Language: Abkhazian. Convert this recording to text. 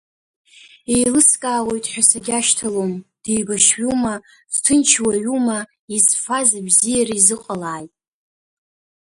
Еилыскаауеит ҳәа сагьашьҭалом, деибашьҩума, дҭынч уаҩума, изфаз абзиара изыҟалааит.